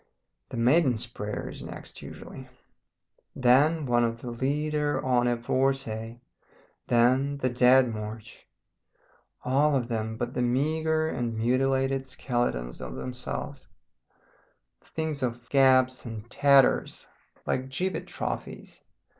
The 'Maiden's Prayer' is next usually. Then one of the 'Lieder ohne Worte,' then the 'Dead March' all of them but the meagre and mutilated skeletons of themselves; things of gaps and tatters, like gibbet trophies.